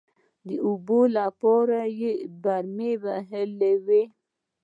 د اوبو لپاره يې برمې وهلې وې.